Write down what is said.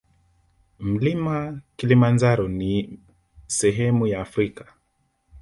Mlima kilimanjaro mi sehemu ya afrika